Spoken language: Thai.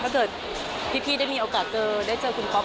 ถ้าเกิดพี่ได้มีโอกาสเจอได้เจอคุณป๊อป